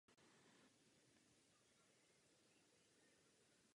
Vnitřní trh je páteří růstu a zaměstnanosti.